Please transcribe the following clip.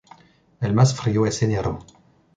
El más frío es enero.